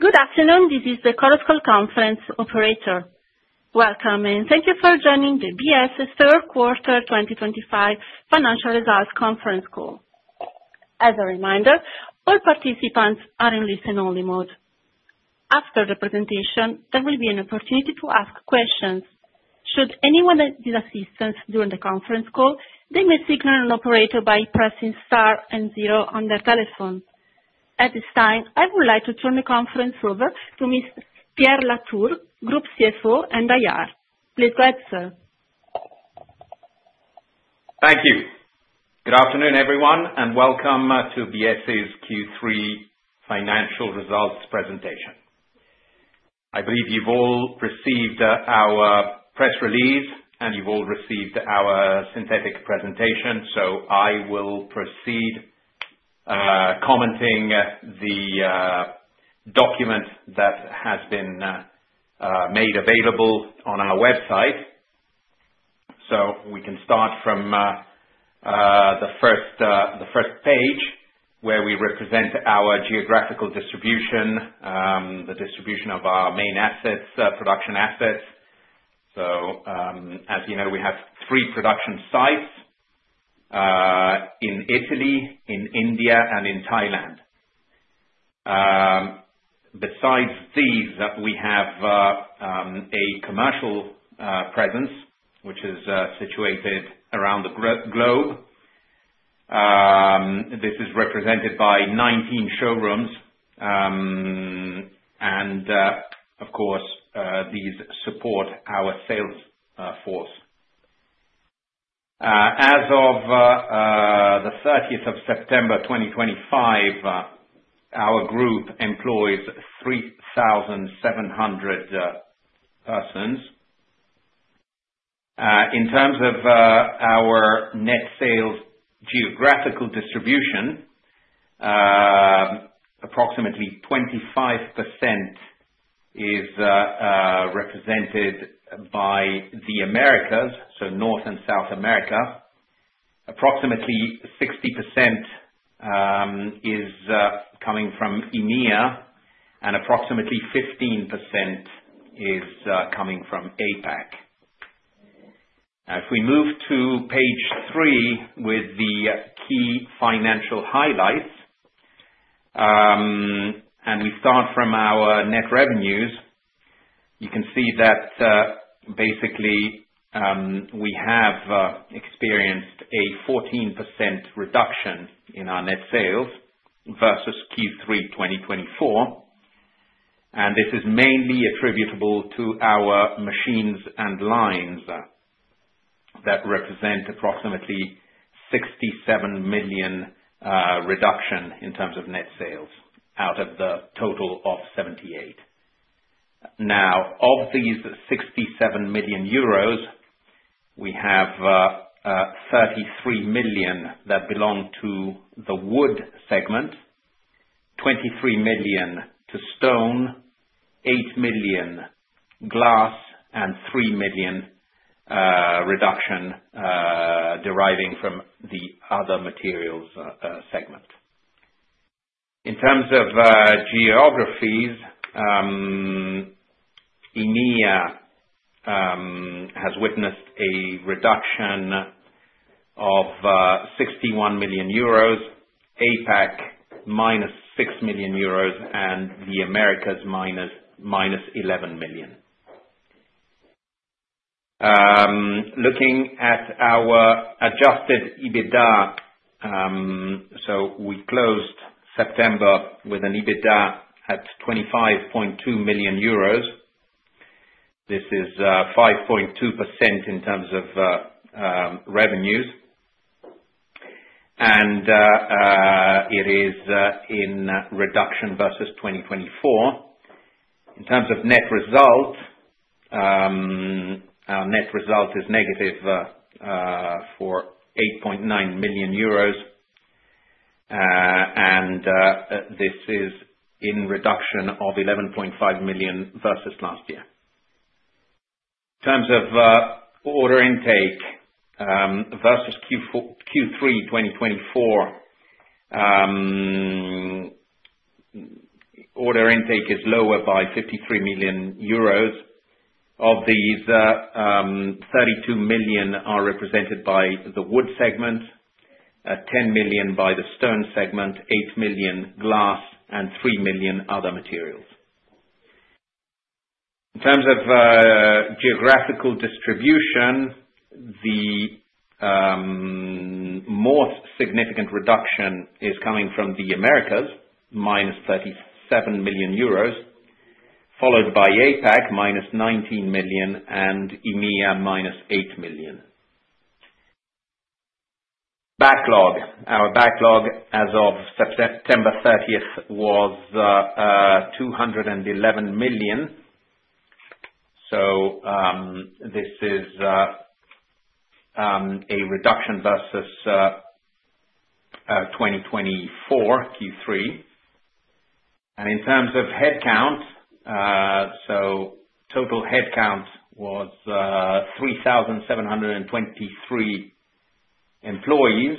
Good afternoon. This is the conference call operator. Welcome, and thank you for joining the Biesse third quarter 2025 financial results conference call. As a reminder, all participants are in listen-only mode. After the presentation, there will be an opportunity to ask questions. Should anyone need assistance during the conference call, they may signal an operator by pressing star and zero on their telephone. At this time, I would like to turn the conference over to Mr. Pierre La Tour, Group CFO and IR. Please go ahead, sir. Thank you. Good afternoon, everyone, and welcome to Biesse's Q3 financial results presentation. I believe you've all received our press release, and you've all received our synthetic presentation, so I will proceed commenting the document that has been made available on our website, so we can start from the first page, where we represent our geographical distribution, the distribution of our main assets, production assets, so as you know, we have three production sites in Italy, in India, and in Thailand. Besides these, we have a commercial presence, which is situated around the globe. This is represented by 19 showrooms, and, of course, these support our sales force. As of the thirtieth of September 2025, our group employs 3,700 persons. In terms of our net sales geographical distribution, approximately 25% is represented by the Americas, so North and South America. Approximately 60% is coming from EMEA, and approximately 15% is coming from APAC. As we move to page three with the key financial highlights, and we start from our net revenues, you can see that, basically, we have experienced a 14% reduction in our net sales versus Q3 2024. This is mainly attributable to our machines and lines that represent approximately 67 million reduction in terms of net sales, out of the total of 78. Now, of these 67 million euros, we have 33 million that belong to the wood segment, 23 million to stone, 8 million glass, and 3 million reduction deriving from the other materials segment. In terms of geographies, EMEA has witnessed a reduction of 61 million euros, APAC minus 6 million euros, and the Americas minus 11 million. Looking at our adjusted EBITDA, so we closed September with an EBITDA at 25.2 million euros. This is 5.2% in terms of revenues. It is in reduction versus 2024. In terms of net result, our net result is negative for 8.9 million, and this is in reduction of 11.5 million versus last year. In terms of order intake versus Q3 2024, order intake is lower by 53 million euros. Of these, 32 million are represented by the wood segment, 10 million by the stone segment, 8 million glass, and 3 million other materials. In terms of geographical distribution, the most significant reduction is coming from the Americas, minus 37 million euros, followed by APAC, minus 19 million, and EMEA, minus 8 million. Backlog. Our backlog as of September thirtieth was EUR 211 million. So this is a reduction versus Q3 2024. And in terms of headcount, total headcount was 3,723 employees.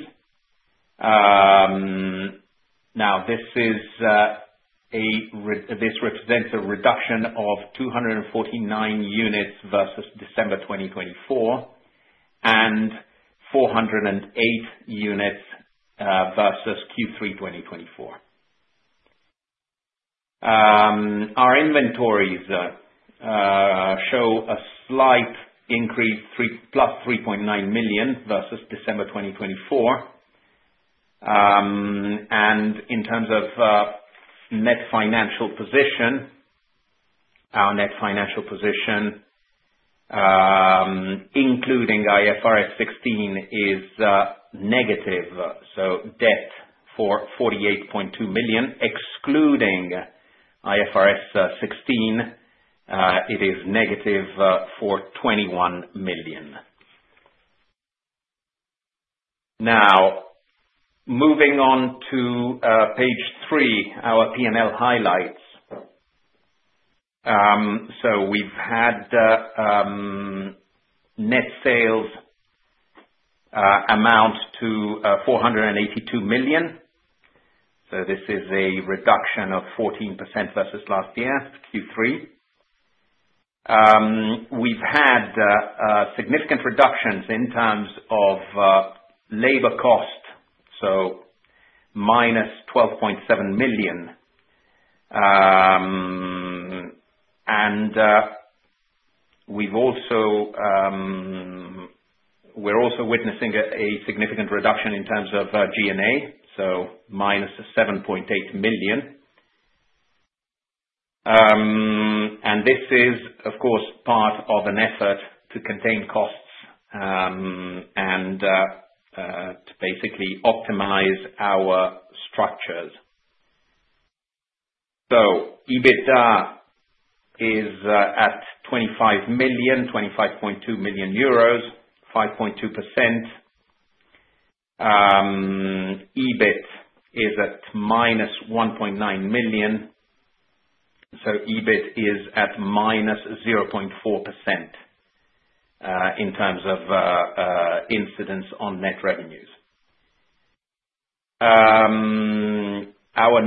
Now this is, this represents a reduction of 249 units versus December 2024, and 408 units, versus Q3 2024. Our inventories show a slight increase, plus 3.9 million versus December 2024. And in terms of, net financial position, our net financial position, including IFRS 16, is, negative, so debt for 48.2 million, excluding IFRS 16, it is negative, for 21 million. Now, moving on to, page three, our P&L highlights. So we've had, net sales, amount to, 482 million. So this is a reduction of 14% versus last year, Q3. We've had, a significant reductions in terms of, labor cost, so minus 12.7 million. We've also, we're also witnessing a significant reduction in terms of G&A, so -7.8 million. This is, of course, part of an effort to contain costs, and to basically optimize our structures. EBITDA is at 25 million, 25.2 million euros, 5.2%. EBIT is at -1.9 million, so EBIT is at -0.4% in terms of incidence on net revenues. Our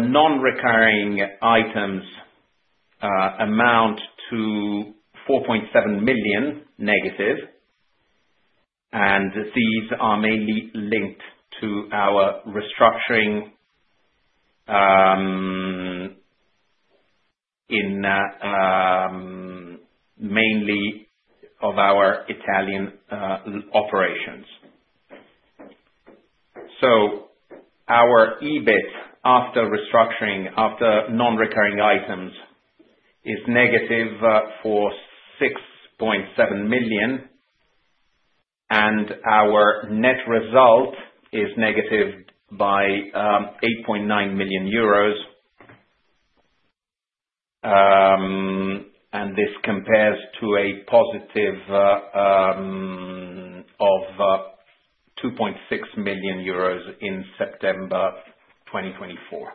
non-recurring items amount to -4.7 million, and these are mainly linked to our restructuring, mainly of our Italian operations. So our EBIT after restructuring, after non-recurring items, is negative for 6.7 million, and our net result is negative by 8.9 million, and this compares to a positive of 2.6 million euros in September 2024.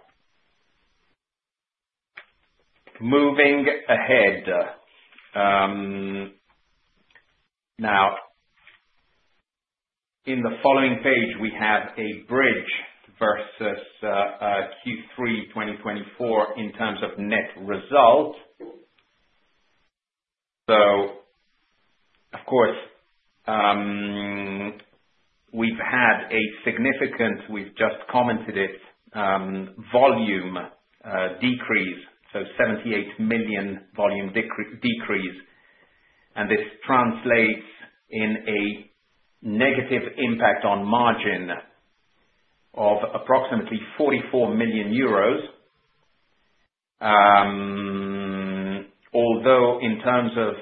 Moving ahead, now, in the following page, we have a bridge versus Q3 2024 in terms of net results. So, of course, we've had a significant, we've just commented it, volume decrease, so 78 million volume decrease, and this translates in a negative impact on margin of approximately 44 million euros. Although in terms of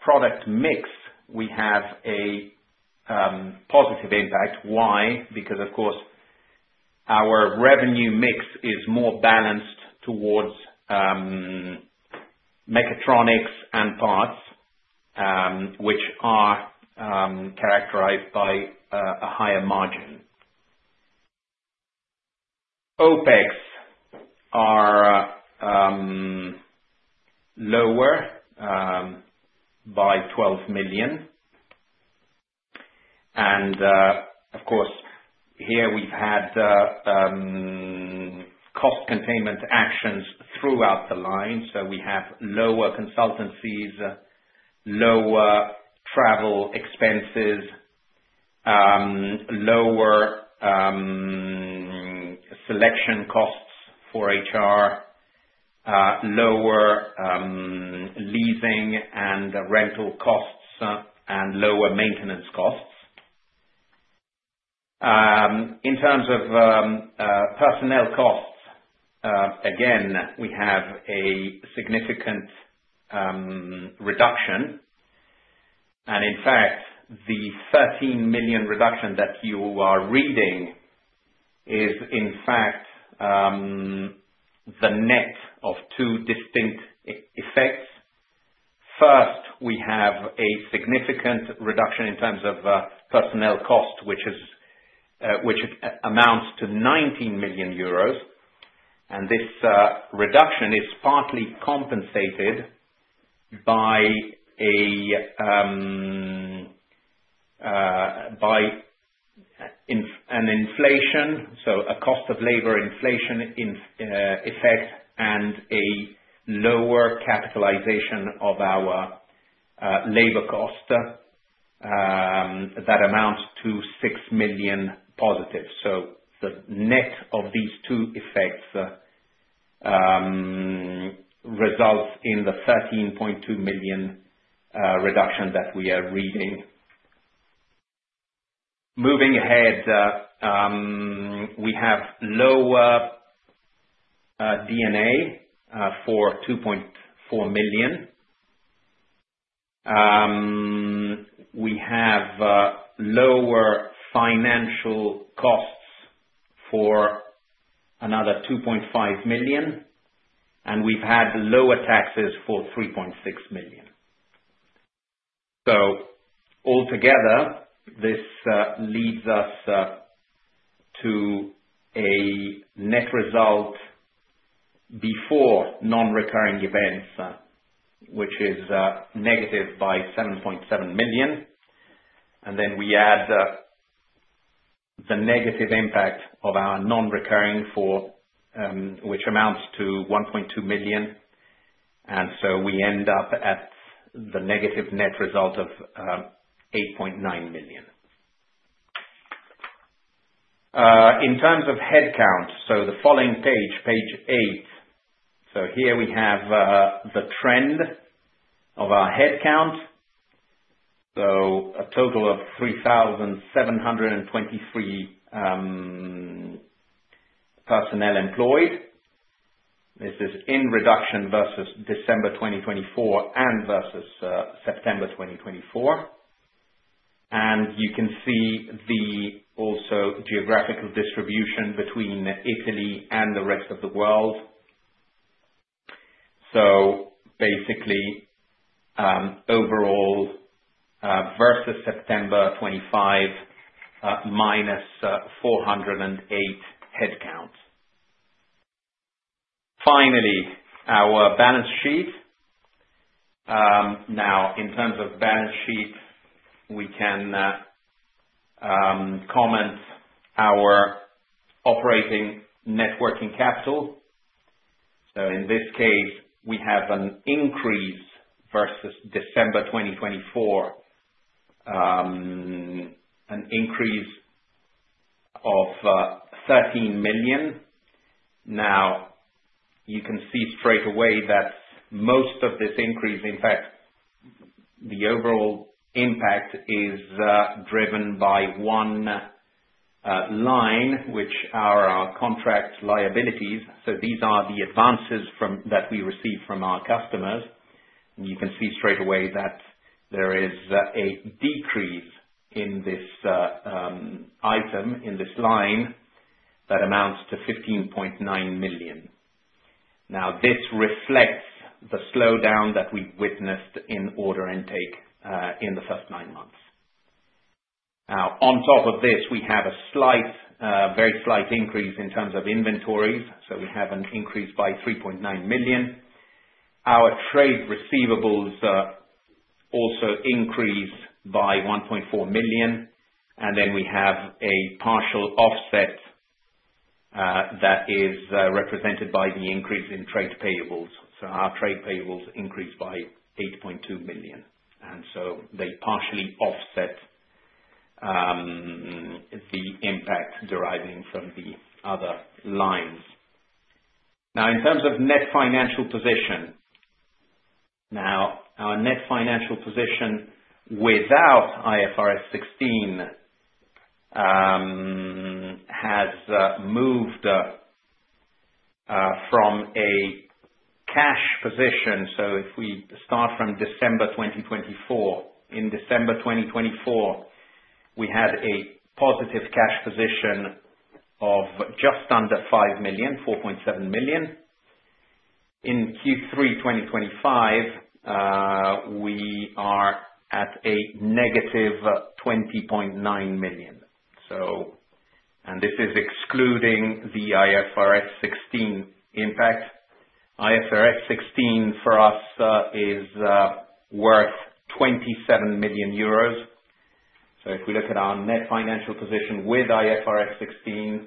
product mix, we have a positive impact. Why? Because of course, our revenue mix is more balanced towards mechatronics and parts, which are characterized by a higher margin. OPEX are lower by EUR 12 million. Of course, here we've had cost containment actions throughout the line, so we have lower consultancies, lower travel expenses, lower selection costs for HR, lower leasing and rental costs, and lower maintenance costs. In terms of personnel costs, again, we have a significant reduction. In fact, the 13 million reduction that you are reading is, in fact, the net of two distinct effects. First, we have a significant reduction in terms of personnel cost, which amounts to 19 million euros. This reduction is partly compensated by an inflation, so a cost of labor inflation in effect and a lower capitalization of our labor cost that amounts to 6 million positive. So the net of these two effects results in the 13.2 million reduction that we are reading. Moving ahead, we have lower D&A for 2.4 million. We have lower financial costs for another 2.5 million, and we've had lower taxes for 3.6 million. Altogether, this leads us to a net result before non-recurring events, which is negative by 7.7 million. And then we add the negative impact of our non-recurring for, which amounts to 1.2 million, and so we end up at the negative net result of 8.9 million. In terms of headcount, so the following page, page eight. Here we have the trend of our headcount. A total of 3,723 personnel employed. This is in reduction versus December 2024 and versus September 2024. And you can also see the geographical distribution between Italy and the rest of the world. So basically, overall, versus September 2025, minus 408 headcounts. Finally, our balance sheet. Now, in terms of balance sheet, we can comment our operating net working capital. So in this case, we have an increase versus December 2024, an increase of 13 million. Now, you can see straight away that most of this increase, in fact, the overall impact is driven by one line, which are our contract liabilities. So these are the advances that we receive from our customers. You can see straight away that there is a decrease in this item, in this line, that amounts to 15.9 million. Now, this reflects the slowdown that we've witnessed in order intake in the first nine months. Now, on top of this, we have a slight very slight increase in terms of inventories, so we have an increase by 3.9 million. Our trade receivables also increased by 1.4 million, and then we have a partial offset that is represented by the increase in trade payables. So our trade payables increased by 8.2 million, and so they partially offset the impact deriving from the other lines. Now in terms of net financial position, now, our net financial position without IFRS 16 has moved from a cash position. If we start from December 2024, in December 2024, we had a positive cash position of just under five million, 4.7 million. In Q3 2025, we are at a negative 20.9 million. So, and this is excluding the IFRS 16 impact. IFRS 16 for us is worth 27 million euros. So if we look at our net financial position with IFRS 16,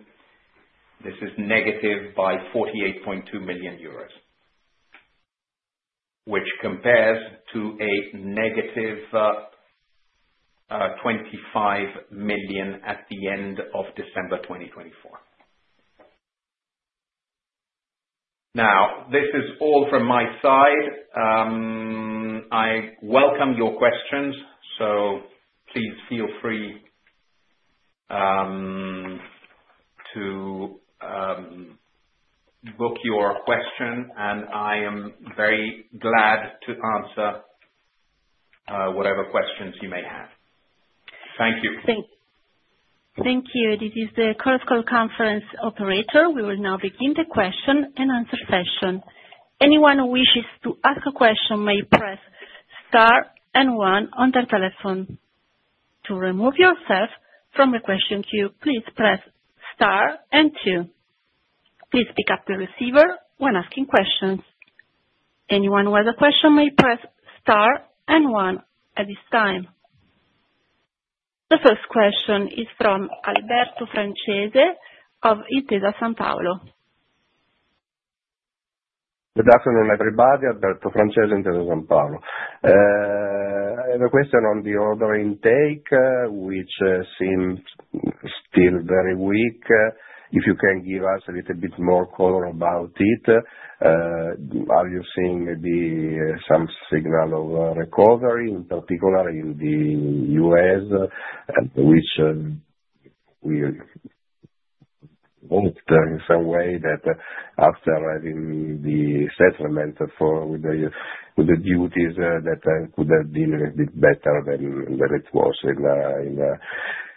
this is negative by 48.2 million euros, which compares to a negative 25 million at the end of December 2024. Now, this is all from my side. I welcome your questions, so please feel free to book your question, and I am very glad to answer whatever questions you may have. Thank you. Thank you. This is the Chorus Call conference operator. We will now begin the question and answer session. Anyone who wishes to ask a question may press star and one on their telephone.... To remove yourself from the question queue, please press star and two. Please pick up the receiver when asking questions. Anyone who has a question may press star and one at this time. The first question is from Alberto Francese of Intesa Sanpaolo. Good afternoon, everybody, Alberto Francese, Intesa Sanpaolo. I have a question on the order intake, which seems still very weak. If you can give us a little bit more color about it, are you seeing maybe some signal of a recovery, in particular in the US, which we hope in some way that after having the settlement for the, with the duties, that could have been a bit better than it was in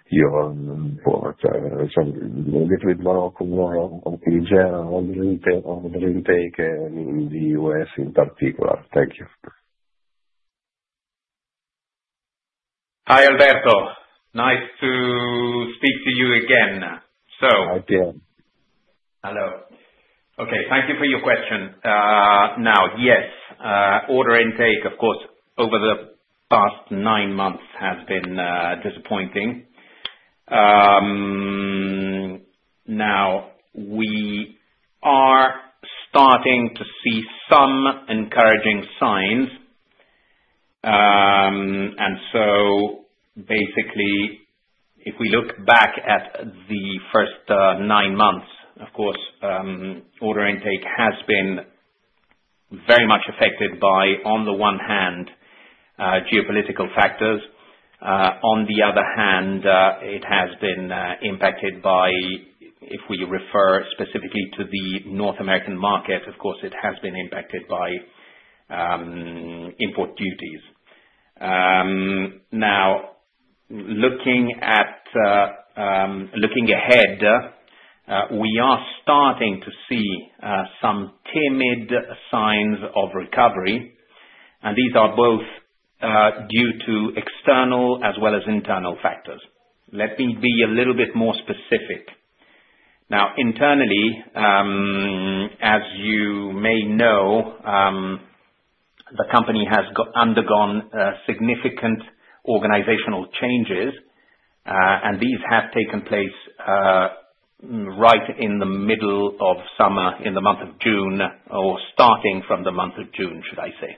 your own report? So a little bit more in general, on order intake in the US in particular. Thank you. Hi, Alberto. Nice to speak to you again. So- Hi, Dan. Hello. Okay, thank you for your question. Now, yes, order intake, of course, over the past nine months has been disappointing. Now we are starting to see some encouraging signs. And so basically, if we look back at the first nine months, of course, order intake has been very much affected by, on the one hand, geopolitical factors. On the other hand, it has been impacted by, if we refer specifically to the North American market, of course, it has been impacted by import duties. Now, looking ahead, we are starting to see some timid signs of recovery, and these are both due to external as well as internal factors. Let me be a little bit more specific. Now, internally, as you may know, the company has undergone significant organizational changes, and these have taken place right in the middle of summer, in the month of June, or starting from the month of June, should I say.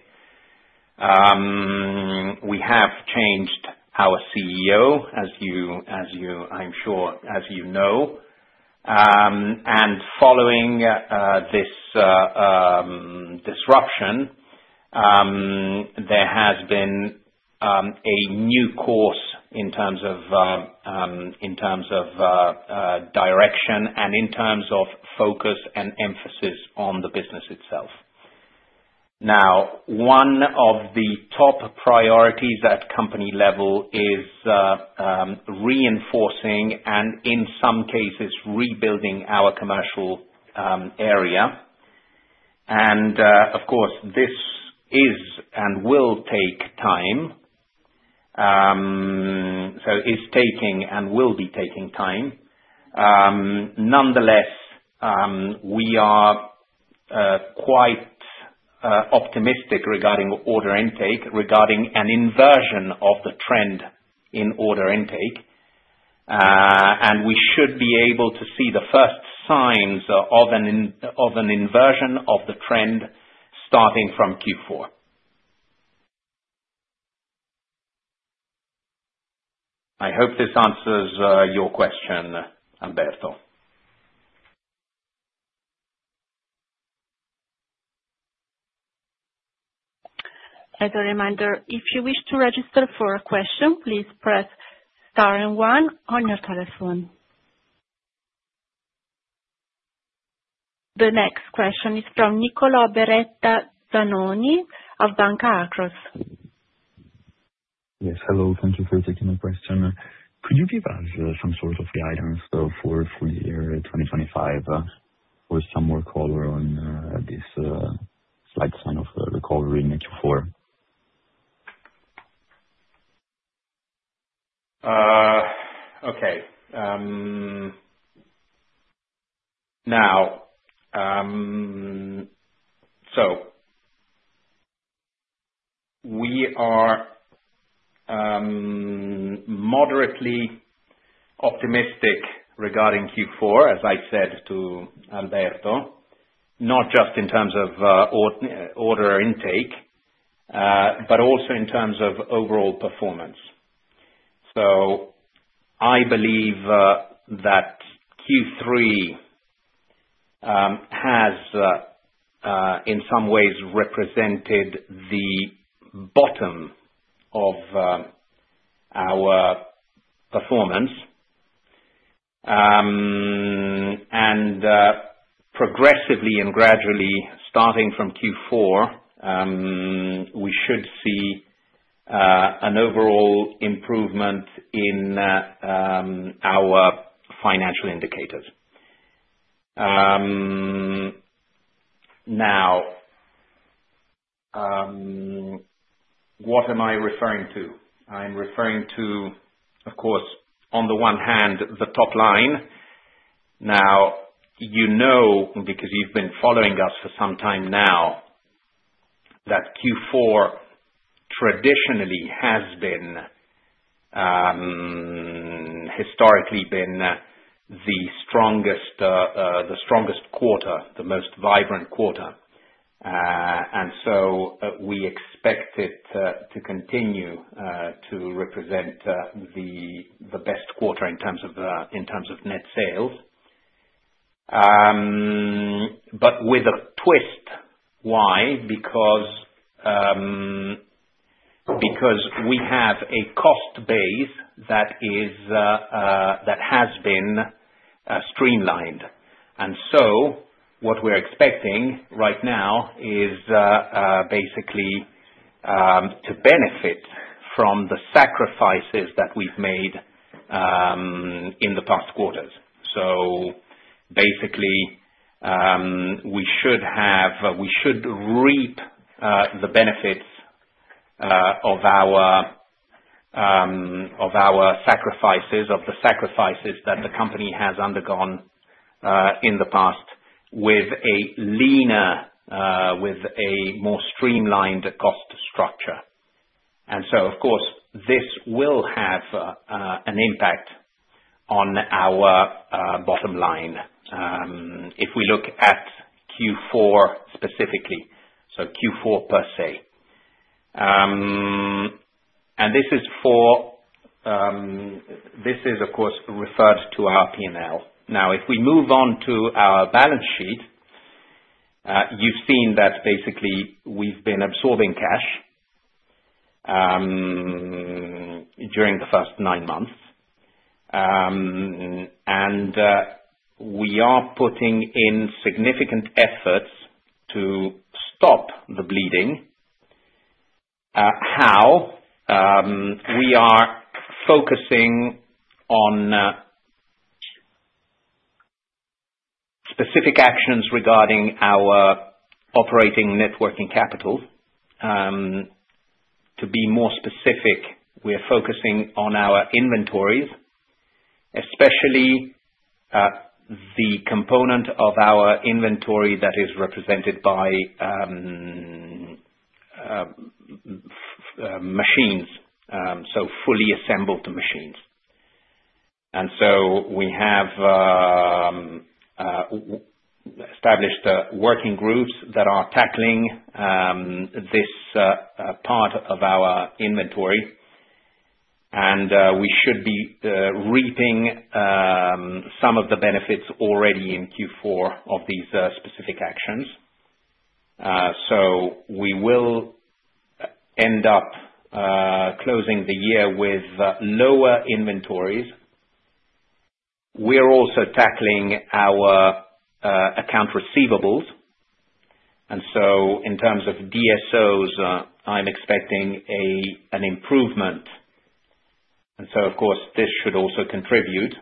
We have changed our CEO, as you, I'm sure, as you know, and following this disruption, there has been a new course in terms of direction and in terms of focus and emphasis on the business itself. Now, one of the top priorities at company level is reinforcing and in some cases rebuilding our commercial area. Of course, this is and will take time, so is taking and will be taking time. Nonetheless, we are quite optimistic regarding order intake, regarding an inversion of the trend in order intake. And we should be able to see the first signs of an inversion of the trend starting from Q4. I hope this answers your question, Alberto. As a reminder, if you wish to register for a question, please press star and one on your telephone. The next question is from Nicolò Beretta Zanoni of Banca Akros. Yes, hello. Thank you for taking my question. Could you give us some sort of guidance for full year 2025 or some more color on this slight sign of recovery in Q4? Okay. Now, so we are moderately optimistic regarding Q4, as I said to Alberto, not just in terms of order intake, but also in terms of overall performance. So I believe that Q3 has in some ways represented the bottom of our performance, and progressively and gradually, starting from Q4, we should see an overall improvement in our financial indicators. Now what am I referring to? I'm referring to, of course, on the one hand, the top line. Now, you know, because you've been following us for some time now, that Q4 traditionally has been historically the strongest quarter, the most vibrant quarter. And so, we expect it to continue to represent the best quarter in terms of net sales. But with a twist. Why? Because we have a cost base that has been streamlined. And so, what we're expecting right now is basically to benefit from the sacrifices that we've made in the past quarters. So basically, we should reap the benefits of our sacrifices, of the sacrifices that the company has undergone in the past, with a more streamlined cost structure. And so, of course, this will have an impact on our bottom line. If we look at Q4 specifically, so Q4 per se. And this is for... This is, of course, referring to our P&L. Now, if we move on to our balance sheet, you've seen that basically we've been absorbing cash during the first nine months. We are putting in significant efforts to stop the bleeding. How? We are focusing on specific actions regarding our operating net working capital. To be more specific, we are focusing on our inventories, especially the component of our inventory that is represented by machines, so fully assembled machines. We have established working groups that are tackling this part of our inventory. We should be reaping some of the benefits already in Q4 of these specific actions. We will end up closing the year with lower inventories. We are also tackling our accounts receivable, and so in terms of DSOs, I'm expecting an improvement, and so of course, this should also contribute.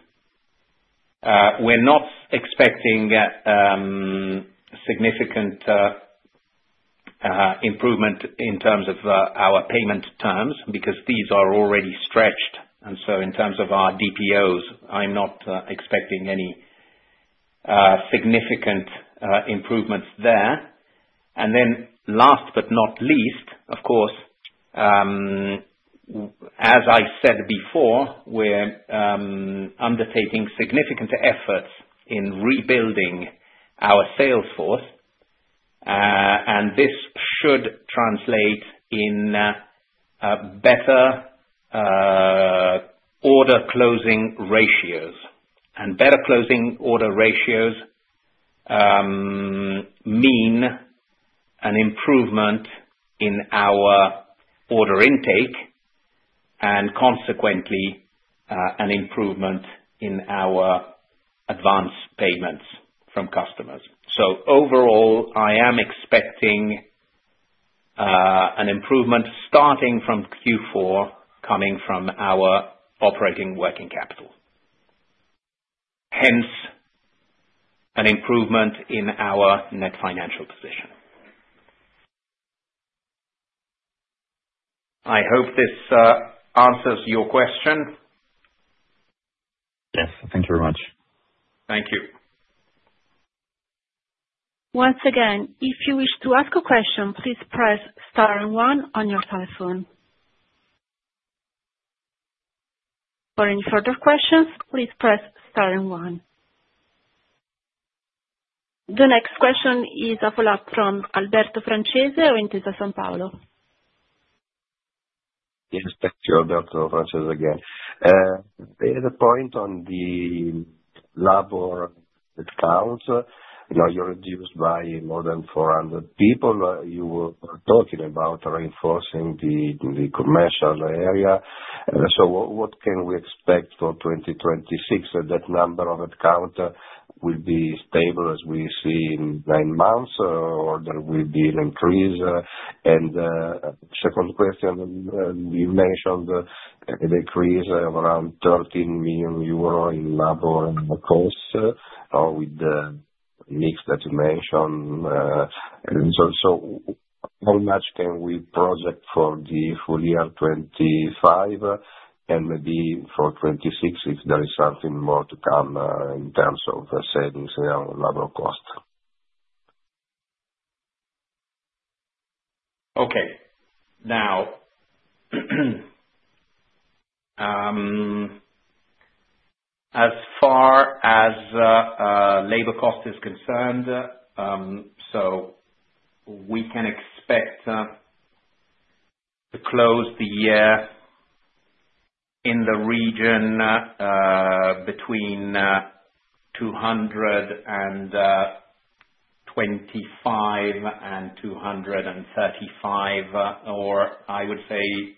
We're not expecting significant improvement in terms of our payment terms, because these are already stretched, and so in terms of our DPOs, I'm not expecting any significant improvements there, and then last but not least, of course, as I said before, we're undertaking significant efforts in rebuilding our sales force, and this should translate in a better order closing ratios, and better closing order ratios mean an improvement in our order intake, and consequently an improvement in our advance payments from customers, so overall, I am expecting an improvement starting from Q4, coming from our operating working capital. Hence, an improvement in our net financial position. I hope this answers your question. Yes. Thank you very much. Thank you. Once again, if you wish to ask a question, please press star and one on your phone. For any further questions, please press star and one. The next question is a follow-up from Alberto Francese, Intesa Sanpaolo. Yes, thank you. Alberto Francese again. There's a point on the headcount. Now, you've reduced by more than 400 people. You were talking about reinforcing the commercial area. So what can we expect for 2026? That number of headcount will be stable as we see in nine months, or there will be an increase? And second question, you mentioned an increase of around 13 million euro in labor and costs, with the mix that you mentioned, and so, so how much can we project for the full year 2025, and maybe for 2026, if there is something more to come, in terms of the savings and labor cost? Okay. Now, as far as labor cost is concerned, so we can expect to close the year in the region between 225 and 235, or I would say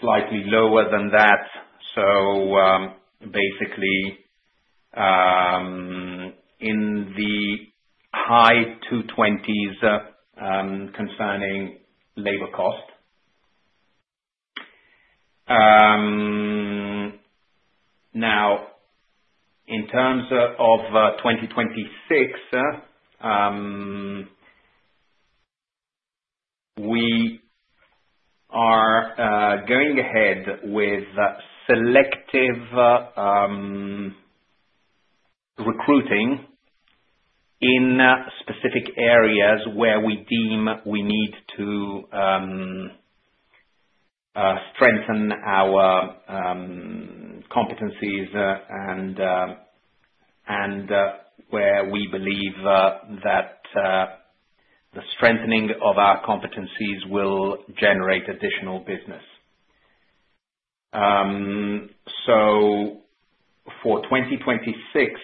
slightly lower than that. So, basically, in the high two twenties concerning labor cost. Now, in terms of 2026, we are going ahead with selective recruiting in specific areas where we deem we need to strengthen our competencies, and where we believe that the strengthening of our competencies will generate additional business. So for 2026,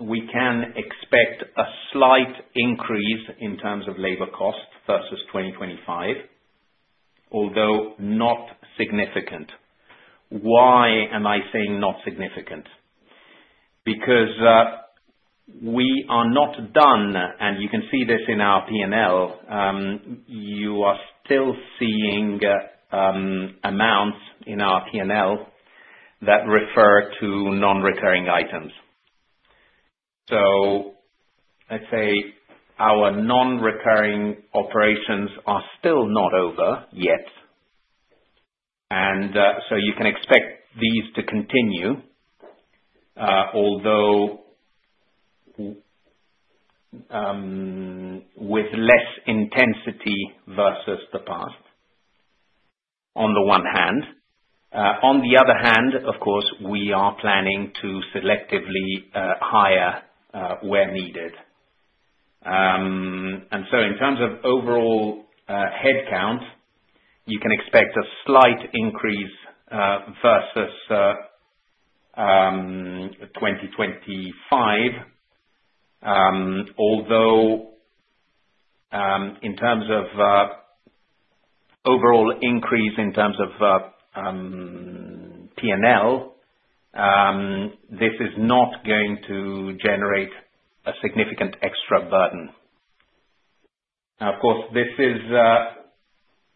we can expect a slight increase in terms of labor cost versus 2025, although not significant. Why am I saying not significant? Because, we are not done, and you can see this in our P&L. You are still seeing amounts in our P&L that refer to non-recurring items, so let's say, our non-recurring operations are still not over yet, and so you can expect these to continue, although with less intensity versus the past, on the one hand. On the other hand, of course, we are planning to selectively hire where needed, and so in terms of overall head count, you can expect a slight increase versus 2025. Although in terms of overall increase in terms of P&L, this is not going to generate a significant extra burden. Now, of course, this is,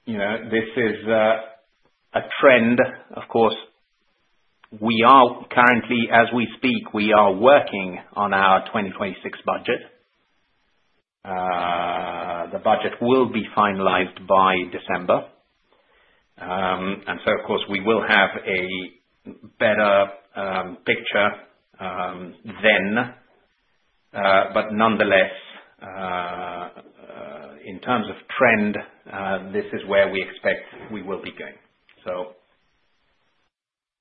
you know, this is a trend. Of course, we are currently, as we speak, we are working on our 2026 budget. The budget will be finalized by December, and so of course we will have a better picture then, but nonetheless, in terms of trend, this is where we expect we will be going,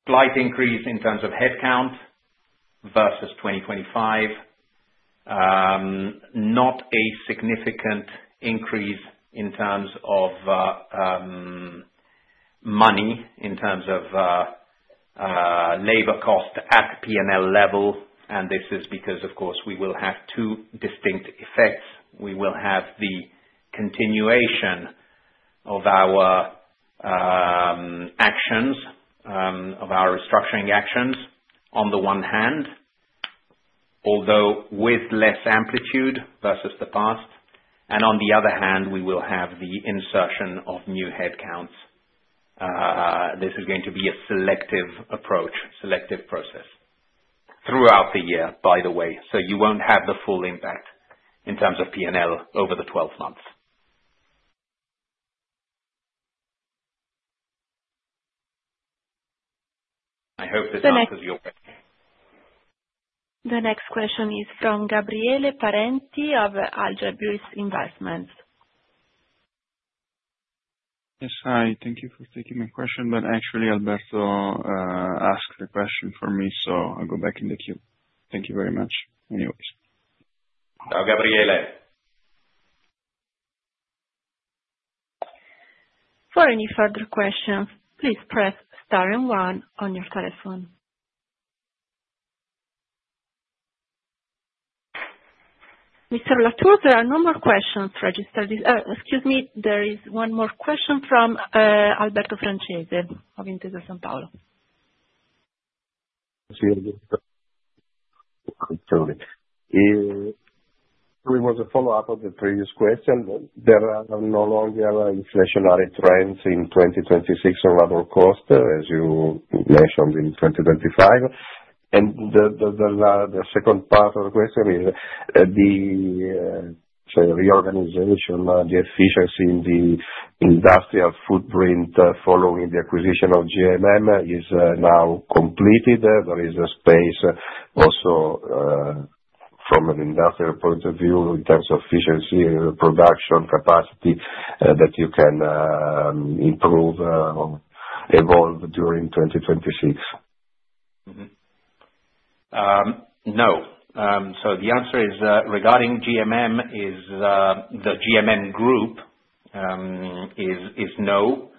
so slight increase in terms of headcount versus 2025. Not a significant increase in terms of money, in terms of labor cost at P&L level, and this is because, of course, we will have two distinct effects. We will have the continuation of our actions of our restructuring actions on the one hand, although with less amplitude versus the past, and on the other hand, we will have the insertion of new headcounts. This is going to be a selective approach, selective process throughout the year, by the way, so you won't have the full impact in terms of P&L over the twelve months. I hope this answers your question. The next question is from Gabriele Parenti of Alger Investments. Yes, hi, thank you for taking my question, but actually, Alberto asked the question for me, so I'll go back in the queue. Thank you very much, anyways. Gabriele. For any further questions, please press star and one on your telephone. Mr. La Tour, there are no more questions registered, excuse me, there is one more question from Alberto Francese of Intesa Sanpaolo It was a follow-up of the previous question. There are no longer inflationary trends in 2026 on labor cost, as you mentioned in 2025. And the second part of the question is, the say reorganization, the efficiency in the industrial footprint, following the acquisition of GMM is now completed. There is a space also, from an industrial point of view, in terms of efficiency and production capacity, that you can improve or evolve during 2026? Mm-hmm. No. So the answer is, regarding GMM, the GMM Group is no.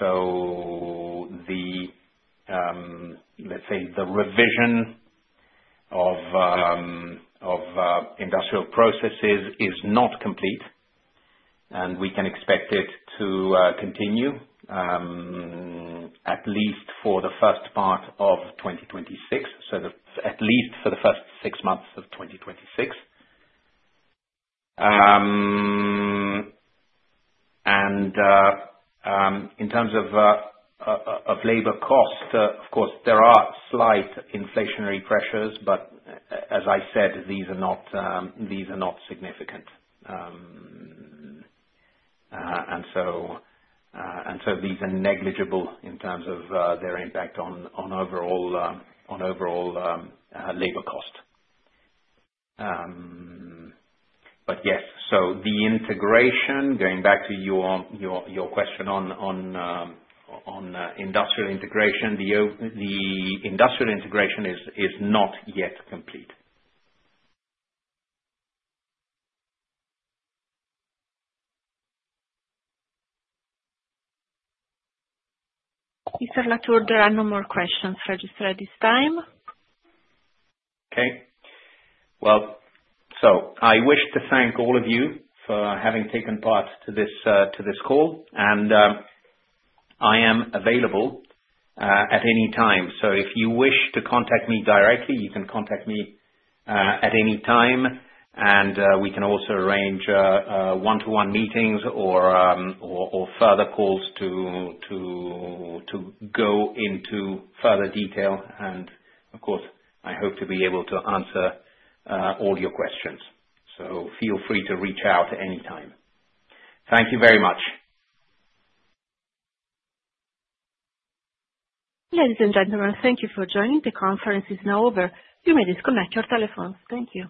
So, let's say, the revision of industrial processes is not complete, and we can expect it to continue at least for the first part of 2026, so at least for the first six months of 2026. And, in terms of labor cost, of course, there are slight inflationary pressures, but as I said, these are not significant. And so these are negligible in terms of their impact on overall labor cost. But yes, so the integration, going back to your question on industrial integration, the industrial integration is not yet complete. Mr. La Tour, there are no more questions registered at this time. Okay. Well, so I wish to thank all of you for having taken part to this call, and I am available at any time. So if you wish to contact me directly, you can contact me at any time, and we can also arrange one-to-one meetings or further calls to go into further detail. And of course, I hope to be able to answer all your questions. So feel free to reach out anytime. Thank you very much. Ladies and gentlemen, thank you for joining. The conference is now over. You may disconnect your telephones. Thank you.